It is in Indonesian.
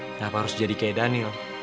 kenapa harus jadi kayak daniel